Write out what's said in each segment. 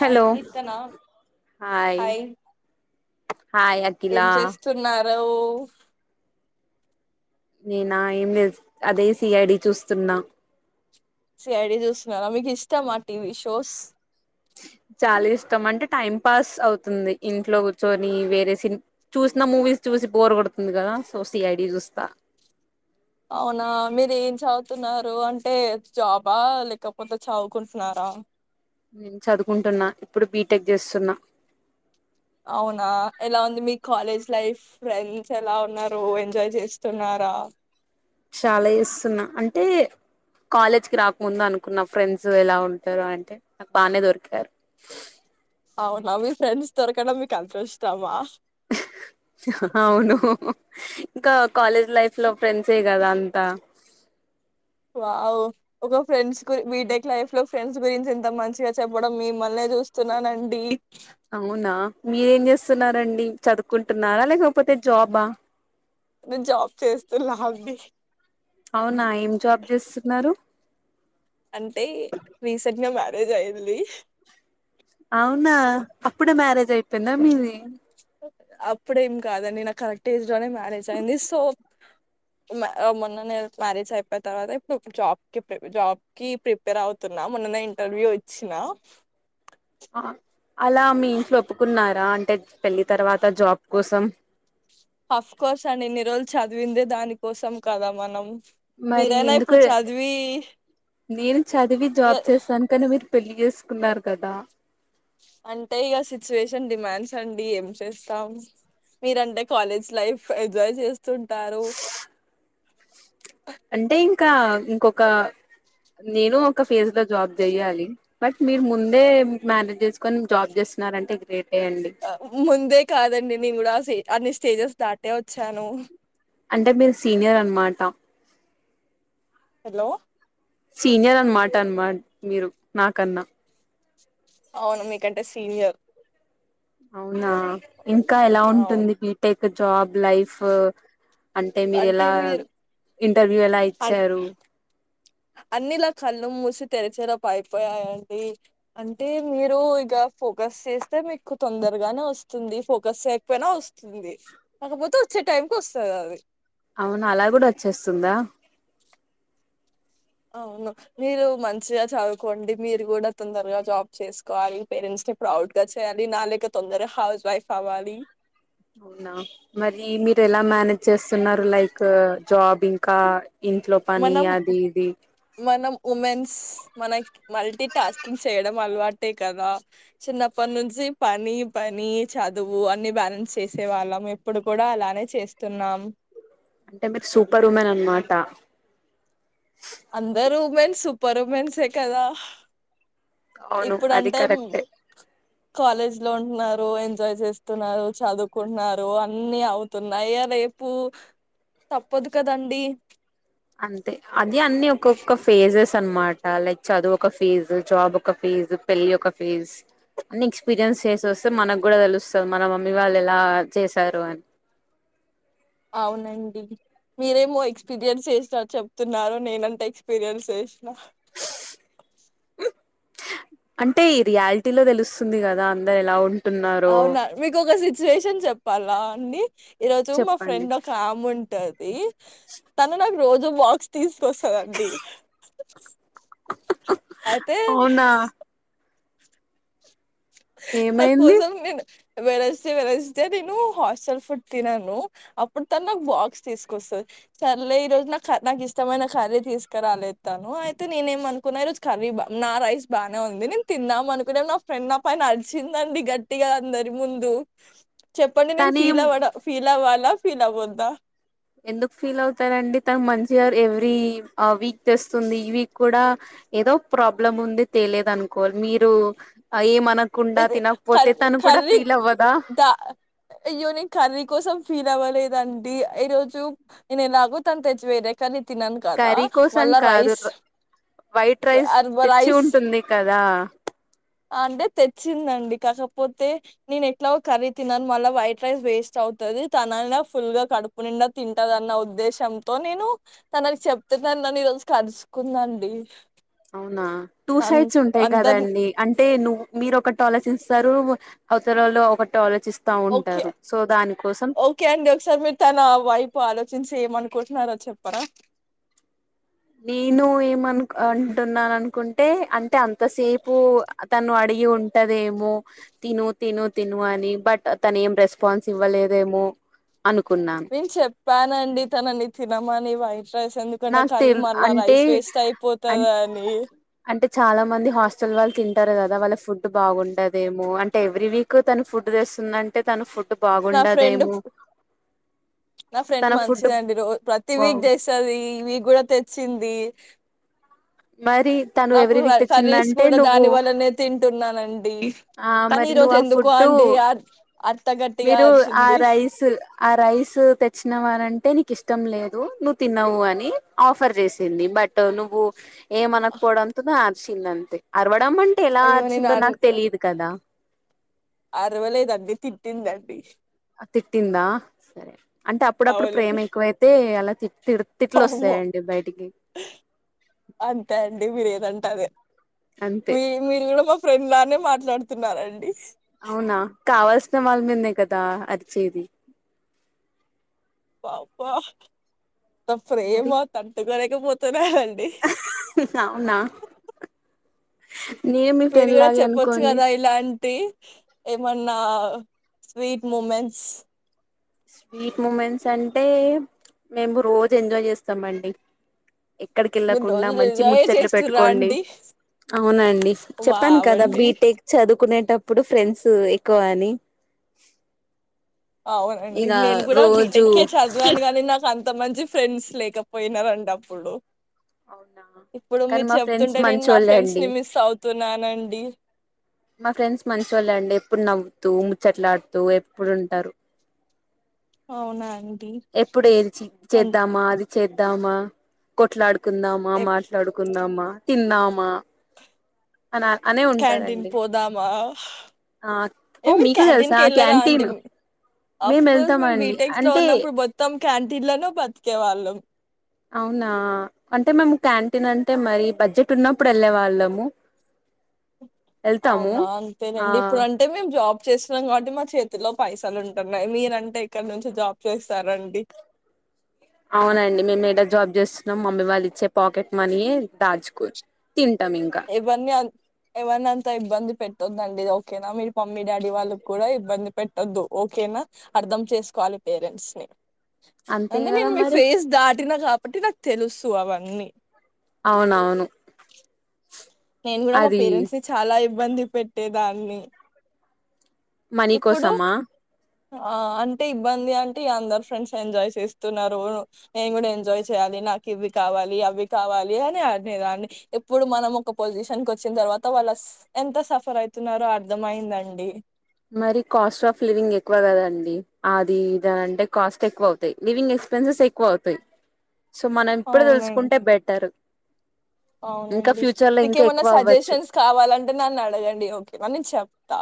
Hello Keerthana hi hi hi Akhila hello నేనా ఏం చే అదే సిఐడి చూస్తున్నా సిఐడి చూస్తున్నారా మీకు ఇష్టమా టీవీ షోస్ చాలా ఇష్టం అంటే టైం పాస్ అవుతుంది ఇంట్లో కూర్చొని వేరే సిని చూసిన మూవీస్ చూసి బోర్ కొడుతుంది కదా సో సిఐడి చూస్తా అవునా మీరు ఏం చదువుతున్నారు అంటే జాబా లేకపోతే చదువుకుంటున్నారా నేను చదువుకుంటున్నా ఇప్పుడు బీట్ టెక్ జేస్తున్నా. అవునా, ఎలా ఉంది మీ కాలేజ్. లైఫ్, ఫ్రెండ్స్ ఎలా ఉన్నారు ఎంజాయ్ జేస్తున్నారా. చాలా చేస్తున్నా, అంటే కాలేజ్ కి రాక్ముందు అనుకున్న, ఫ్రెండ్స్ ఎలా ఉంటారు అంటే, నాకు బానే దొరికారు. అవునా, మీ ఫ్రెండ్స్ దొరకడం మీక్ అదృష్టమా. అవును. ఇంకా కాలేజ్ లైఫ్ లో, ఫ్రెండ్సే కదా అంతా. వావ్ ఒక ఫ్రెండ్స కి, బీటెక్ లైఫ్ లో ఫ్రెండ్స్ గురించి ఎంత మంచిగా చెప్పడం మిమ్మల్న్ చూస్తున్నానండి. అవునా, మీరేం జేస్త్. స్తున్నారండి. చదుకుంటున్నారా, లేకపోతే జాబా. నేన్ జాబ్ చేస్తూ. [unintelligible] అవునా ఏం జాబ్ చేస్తున్నారు అంటే రీసెంట్ గా మ్యా తేజ యెల్లి అవునా అప్పుడే మ్యారేజ్ అయిపోయింది నమ్మింది అప్పుడేం కాదండి నా కరెక్ట్ ఏజ్ లోనే మ్యారేజ్ అయింది సో, మ్యా మొన్ననే మ్యారేజ్ అయిపోయిన తర్వాత, ఇప్పుడు జాబ్ క్ జాబ్ కి ప్రిపేర్ అవుతున్నా, మొన్ననే ఇంటర్వ్యూ ఇచ్చిన. ఆ, అలా మీ ఇంట్లో ఒప్పుకున్నారా, అంటే పెళ్ళి తర్వాత జాబ్ కోసం. హఫ్ కోర్స్ అండి, ఇన్ని రోజులు చదివిందే దాని కోసం కదా మనం. మరి మీరైనా ఇప్పుడు ఎందుకు, చదివి నేను చదివి ఇగ జాబ్ చేస్తాను కానీ. పెళ్లి జేసుకున్నార్ కదా. అంటే ఇగా సిచ్యువేషన్ డిమాండ్స్ అండి ఏం చేస్తాం, మీరంటే కాలేజ్ లైఫ్ ఎంజాయ్ చేస్తుంటారు. అంటే ఇంకా, ఇంకొక నేను ఒక ఫేజ్ లో జాబ్ జేయాలి. బట్ మీరు ముందే మ్యానేజ్ జేసుకొని జాబ్ జేస్తున్నారంటే గ్రేట్. ఆ ముందే కాదండి నేన్ కూడా [unintelligible] అనిస్త్. స్టేజేస్ దాటే ఓచ్చాను. అంటే మీరు సీనియర్ అన్నమాట. హలో. సీనియర్ అన్నమాట, అన్నమా మీరు నాకన్నా. అవును, మీకంటే సీనియర్. అవునా, ఇంకా ఎలా అవును ఉంటుంది బీటెక్. ఇగ్ జాబ్, లైఫ్. అంటే మీర్ ఎలా, ఇంటర్వ్యూ ఎలా ఇచ్చారు. అన్ని ఇలా కళ్ళు మూసి తెరిచే లోపు అయిపోయాయండి. అంటే మీరు ఇగా ఫోకస్ చేస్తే మీకు తొందరగానే ఓస్తుంది, ఫోకస్ చేయకపోయినా ఓస్తుంది. కాకపోతే వచ్చే టైంకి ఓస్తాది అది. అవునా, అలా గూడా ఓచ్చేస్తుందా. అవును. మీరు మంచిగా చదువుకోండి, మీరు గూడా తొందరగా జాబ్ చేసుకోవాలి, మీ పేరెంట్స్ నీ ప్రౌడ్ గా చేయాలి, నా లేక తొందరగా హౌస్ వైఫ్ అవ్వాలి. అవునా మరి మీరు ఎలా మేనేజ్ చేస్తున్నారు లైక్. జాబ్ ఇంకా. ఇంట్లో పని మనం ఉ, అది ఇది మనం ఉమెన్స్. మన మల్టీ టాస్కింగ్ చేయడం అలవాటే కదా చిన్నప్పటి నుంచి పని పని చదువు అన్ని బ్యాలెన్స్ చేసే వాళ్ళం ఇప్పుడు కూడా అలానే చేస్తున్నాం అంటే మీరు సూపర్ ఉమెన్ అనమా ట అందరు ఉమెన్స్ సూపర్ ఉమెన్సే కదా అవును అది ఇప్పుడంటే కరెక్టే కాలేజ్ లో ఉంటున్నారు ఎంజాయ్ చేస్తున్నారు చదువుకుంటున్నారు అన్ని అవుతున్నాయ్యా రేపు తప్పదు కదండి అంతే అది అన్ని ఒక్కొక్క ఫేజెస్ అనమాట లైక్ చదువు ఒక ఫేజ్ జాబ్ ఒక ఫేజ్ పెళ్లి ఒక ఫేజ్ అన్ని ఎక్స్పీరియన్స్ చేసి వస్తే మనకు కూడా తెలుస్తుంది మన మమ్మీ వాళ్ళు ఎలా చేసారు అని అవునండి మీరేమో ఎక్స్పీరియన్స్ చేసినా చెప్తున్నారు నేనంతే ఎక్స్పీరియన్స్ చేసినా అంటే ఈ రియాలిటీలో తెలుస్తుంది కదా అందరు ఎలా ఉన్ అవునా మీకు ఒక సి శేషం చెప్పాలా అండి ఈరోజు మా చెప్పండి ఫ్రెండ్ ఒక ఆమున్. [unintelligible] ది తను నా. [unintelligible] రోజు బాక్స్ తీస్. పొసదండి ఐతే అవునా నా ఏమైంది కోసం నేను వెడ్నెస్డే వెడ్నెస్డే నేను హాస్టల్ ఫుడ్ తినను అప్పుడు తను నాకు బాక్స్ తీసుకొస్తది సరేలే ఈ రోజు నా నాకు ఇష్టమైన కర్రీ తీసుకు రాలేదు తాను అయితే నేనే ఏమ అనుకున్నా ఈ రోజు కర్రీ నా రైస్ బానే ఉంది నేను తిందాం అనుకునేలోపే నా ఫ్రెండ్ నా పై నడిచిందండి గట్టిగా అందరి ముందు చెప్పండి నేను ఫీల్ తనేం అవడ ఫీల్ అవ్వాలి ఆ ఫీల్ అవ్వద్దా ఎందుకు ఫీల్ అవుతారండి తను మంచిగా ఎవ్రీ వీక్ తెస్తుంది ఈ వీక్ కూడా ఏదో ప్రాబ్లం ఉంది తెలేదు అనుకోవాలి మీరు ఏమన ఇది క కర్రీ అవ్వదా ద అయ్యో ని కర్రీ కోసం ఫీల్ తిందామా లేదండి ఈరోజు నేను ఎలాగో తను తెచ్చి వేరే కానీ కర్రీ కోసం కాదు వైట్ రైస్ తెచ్చి రైస్ ఉంటుంది కదా అంటే తెచ్చిందండి కాకపోతే నేను ఎట్లాగో కర్రీ తినను మళ్ళా వైట్ రైస్ వేస్ట్ అవుతుది తనలా ఫుల్ గా కడుపు నిండా తింటదన్న ఉద్దేశ్యంతో నేను తనకి చెప్తే త నని ఈరోజు కరుచుకుందండి అవునా టూ అన్ సైడ్స్ ఉంటాయి అందరు కదండి అన్ టే నువ్వు మీరు ఒకటి ఆలోచిస్తారు అవతలల్లు ఒకటి ఆలో ఓకే ఓకే అండి ఒకసారి మీరు తన వైపు ఆలో చించి ఏమనుకుంటున్నారో చెప్పరా నేను ఏమ అంటున్నాను అనుకుంటే అంటే అన్ త సేపు తను అడి ఉంటదేమో తిను తిను తిను అని బట్ తను ఏం రెస్పాన్స్ ఇవ్వలేదేమో అనుకున్నాను పాను అండి తనని తినమని వై నాకు తెల్ అంటే అయిపోతదని అంటే చాలా మంది హాస్టల్ వాళ్ళు తింటారు కదా వాళ్ళ ఫుడ్ బాగుండదేమో అంటే ఎవ్రీ వీక్ తన ఫుడ్ తెస్తుందింటే తన ఫుడ్ నా ఫ్రెండ్ బాగుండదేమో నా ఫ్రెండ్ తన ఫుడ్ మంచిదండి ర ప్రతి వీక్ చేస్తుది ఈ వీక్ కూడా తెచ్చింది మరి తను నాకు ఎవరీ వీక్ కర్రీస్ తెచ్చిందంటే కూడా నువ్వు దాని వల్లనే తింటున్నానండి ఆ కానీ మరి ఈ నువ్వు రోజు ఆ ఎందుకో ఫుడ్డు అండి అర్- అంత గట్టిగా మీరు ఆ అరిచింది రైస్ ఆ రైస్ తెచ్చినవనింటే ఇష్టం లేదు నువ్వు తిన్నావు అని ఆఫర్ చేసింది బట్ నువ్వు ఏం అకుపోడ అంతద అ ల్ అంతే అర్వా రడ అంటే ఎలా అయ్యో నేను ఆచిందో నాకు తెలియదు కదా అరవ లేదుగ్గే తిట్టిందండి తిట్టిందా సరే అంటే అప్పుడప్పుడు ప్రేమ ఎక్కువైతే అలా తి తిట్లు వామ్మో వస్తాయండి బయటికి అంతే అండి మీరు ఏదంటే అదే అంతే మీ మీరు కూడా ఫ్రెండ్ లానే మాట్లాడుతున్నారండి ఇల్మి న కదా అరిచేది పా పా ప్రేమ మరి తంతగర పోతే అంటడి అవునా నేను మీ మీరు ఫ్రెండ్ కూడా లాగే చెప్పొచ్చు అనుకోండి కదా ఇలాంటి ఏమన్నా స్వీట్ మూమెంట్స్ స్వీట్ మూమెంట్స్ అంటే మేము రోజు ఎంజాయ్ చేస్తామండి ఎక్కడికి మీరు వెళ్ళకుండా రోజు మంచి ఎంజాయే ముచ్చట్లు చేస్తుర్రా పెట్టుకోండి అండి అవునండి చెప్పాను కదా వావండి బీటెక్ చదువుకునే అప్పుడు ఫ్రెండ్స్ ఎక్కువ అని అవునండి ఇగ నేను కూడా రోజు బీటెక్కే చదువాను కాగానీ నాకు అంత కొంత మంచి ఫ్రెండ్స్ లేకపోయినారు అంటే అప్పుడు అవునా ఇప్పుడు కానీ మీరు మా ఫ్రెండ్స్ చెప్తుంటే నేను మంచి నా ఫ్రెండ్స్ వాళ్ళండి, ని మిస్ అవుతున్నానండి మా ఫ్రెండ్స్ మంచి వాళ్ళండి, ఎప్పుడు నవ్వు త్తు ముచ్చట్లాడుతూ ఎప్పుడుంటారు అవునా ఎప్పుడు ఏది అన్ చేద్దామా అది చే దామ కొట్లాడు కుందామా ఎప్ మాట్లాడుకుందామా తిన్నామా క్యాంటీన్ పోదామా ఆ ఏ ఓ మీరు మీకు క్యాంటీన్ తెలుసా కెళ్ళరా అండి క్యాంటీన్ మేము అఫ్ కోర్స్ మేము వెళ్తామండి బీటెక్ లో అంటే ఉన్నప్పుడు క్యాంటీన్ లోన బతికే వాళ్ళం అవునా అంటే మేము క్యాంటీన్ అంటే మరి బడ్జెట్ ఉన్నప్పుడు వెళ్ళే వాళ్ళము వెళ్తాము అవునా ఆ అంతేనండి ఇప్పుడు అంటే మేము జాబ్ చేస్తున్నాం కాబట్టి మా చేతిలో పైసలు ఉంటున్నాయి. మీరంటే ఇక్కడ నుంచి జాబ్ చేస్తారండి అవునండి మేము ఈడ జాబ్ చేస్తున్నాం. మమ్మీ వాళ్ళు ఇచ్చే పాకెట్ మనీ దాచుకో తింటాం ఇంకా ఎవర్నీ అంత ఇబ్బంది పెట్టొందండి ఓకేనా మీరు మమ్మీ డాడీ వాళ్ళకి కూడా ఇబ్బంది పెట్టొద్దు ఓకేనా అర్థం చేసుకోవాలి పేరెంట్స్ ని అంతే అంటే కదా నేను మీ మరి ఫేస్ దాటినా కా అంటే నాకు తెలుసు అవన్నీ అవునవును నేను కూడా మా అది పేరెంట్స్ ని చాలా ఇబ్బంది పెట్టేదాన్ని మనీ ఇప్పుడు కోసమా ఆ అంటే ఇబ్బంది అంటే అందరు ఫ్రెండ్స్ ఎంజాయ్ చేస్తున్నారు, నేను కూడా ఎంజాయ్ చేయాలి, నాకు ఇవి కావాలి అవి కావాలి అని అడినేదాన్ని ఇప్పుడు మనం ఒక పొజిషన్ కు వచ్చిన తర్వాత వాళ్ళ ఎంత సఫర్ అయితున్నారో అర్థ అయిందండి. మరి కాస్ట్ ఆఫ్ లివింగ్ ఎక్కువ కదండి అదిద అంటే కాస్ట్ ఎక్కువ అవుతాయి లివింగ్ ఎక్స్పెన్సెస్ ఎక్కువ అవుతాయి సో మనం ఇప్పుడు అవునం తెలుసుకుంటే బెటర్ ఇంకా అవునండి ఫ్యూచర్ లో ఇంకా మీకేమన్నా ఎక్కువ అవ్వచ్చు సజెషన్స్ కావాలంటే నన్ను అడగండి ఓకేనా నేన్ చెప్తా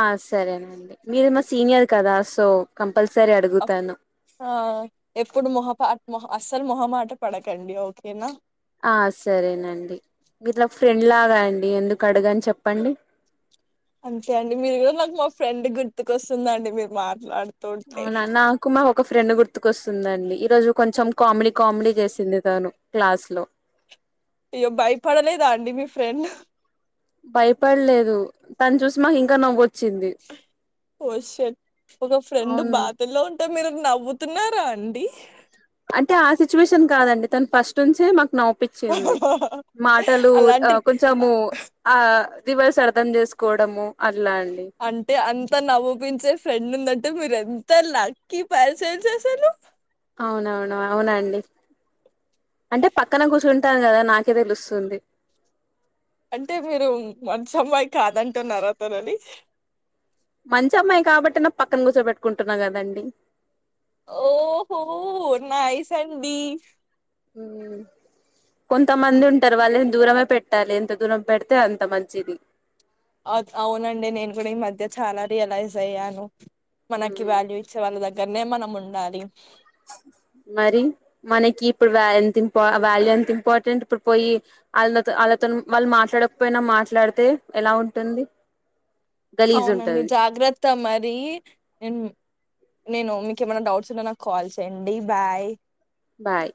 ఆ సరేనండి మీరు మా సీనియర్ కదా సో కంపె ఆ ఎప్పుడు మొహ మొహ అస్సలు మొహమాట పడకండి ఓకేనా ఆ సరేనండి ఇట్లా ఫ్రెండ్లాగా అండి ఎందుకు అడగన్ చెప్పండి అంతే అండి మీరు కూడా నాకు మా ఫ్రెండ్ గుర్తుకొస్తుందండి మీరు మాట్లాడు అవునా నాకు మా మ ఒక ఫ్రెండ్ గుర్తుకొస్తుందండి ఈరోజు కొంచెం కామెడీ కామెడీ చేసింది తను క్లాస్ లో అయ్యో భయపడలేదా అండి మీ ఫ్రెండ్ భయపడలేదు తను చూసి మాకు ఇంకా నవ్వో ఓ షిట్ ఒక ఫ్రెండ్ అవును బాధ లో ఉంటే మీరు నవ్వుతున్నారా అండి అంటే ఆ సిచ్యువేషన్ కాదండి తను ఫస్ట్ నుంచి మాకు నవ్ ప్పించింది మాటలు అలాంటి కొంచము ఆ రివర్స్ అర్థం చేసుకోవడము అట్లా అండి అంటే అంతా నవ్పించే ఫ్రెండ్ ఉంద అంటే మీరెంత లక్కి పర్సన్స్ అసలు అవునవును అవునండి అంటే పక్కన కూర్చుంటాను కదా నాక్ కి తెలుస్తుంది అంటే మీరు మంచి అమ్మాయి కాదంటున్నారు అతనుని మంచి అమ్మాయి కాబట్టి నా పక్కన కూర్చోబట్టుకుంటున్నా కదండి ఓహో నాయిస్ అండి కొంతమంది ఉంటారు వాళ్ళు దూరమే పెట్టాలి ఎంత దూరం పెడితే అంత మంచిది అవునండి నేను కూడా ఈ మధ్య చాలా రియలైజ్ అయ్యాను మనకి ఉమ్ వ్యాల్యూ ఇచ్చే వాళ్ళ దగ్గర దనే మనం ఉండాలి మరి మనకి ఇప్పుడు ఎంతం వాల్యూ ఎంత ఇంపార్టెంట్ ఇప్పుడు పోయి వాళ్తో వాళ్ళతో వాళ్ళు మాట్లాడకపోయినా మాట్లాడితే ఎలా ఉంటుంది గలీజ్ అవునండి ఉంటది జాగ్రత్త మరి నేను మీకు ఏమైన్నా డౌట్స్ ఉన్నా నాకు కాల్ చేయండి బాయ్ బాయ్